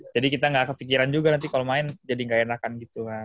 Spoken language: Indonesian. jadi kita gak kepikiran juga nanti kalau main jadi gak enakan gitu kan